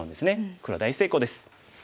黒は大成功です。